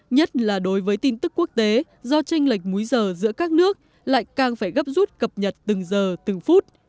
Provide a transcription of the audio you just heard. nhất là đối với tin tức quốc tế do tranh lệch múi giờ giữa các nước lại càng phải gấp rút cập nhật từng giờ từng phút